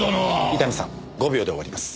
伊丹さん５秒で終わります。